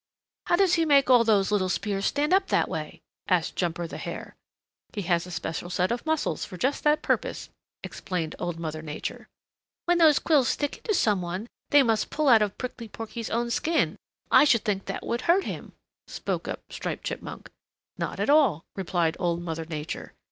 "How does he make all those little spears stand up that way?" asked Jumper the Hare. "He has a special set of muscles for just that purpose," explained Old Mother Nature. "When those quills stick into some one they must pull out of Prickly Porky's own skin; I should think that would hurt him," spoke up Striped Chipmunk. "Not at all," replied Old Mother Nature.